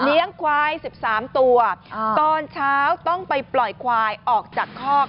เลี้ยงควายสิบสามตัวอ่าตอนเช้าต้องไปปล่อยควายออกจากคอก